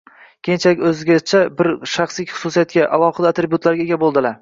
keyinchalik o‘zgacha bir shaxsiy xususiyatlarga, alohida atributlariga ega bo‘ldilar.